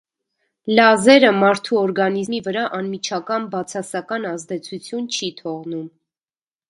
Լազերը մարդու օրգանիզմի վրա անմիջական բացասական ազդեցություն չի թողնում։